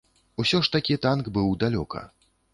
Усё ж такі танк быў далёка.